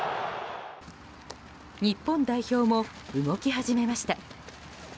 日本代表も動き始めました。